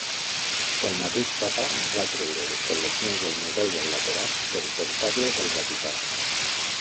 El mateix papa va treure les col·leccions del Museu del Laterà per portar-les al Vaticà.